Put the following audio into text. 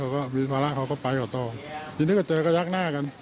เขาก็ไม่ได้มาคุยเขามันก็ไม่ได้มีเรื่องอะไรอย่างนั้น